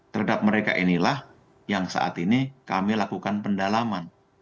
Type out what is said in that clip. terhadap mereka inilah yang saat ini kami lakukan pendalaman